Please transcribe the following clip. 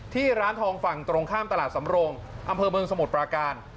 ที่ร้านทองฝั่งตรงข้ามตลาดสำรงอำเภอเมืองสมุทรปราการ